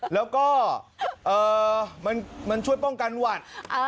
แล้วก็มันช่วยป้องกันหวัด